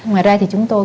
ngoài ra thì chúng tôi